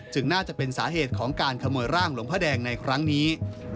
น่าจะเป็นสาเหตุของการขโมยร่างหลวงพระแดงในครั้งนี้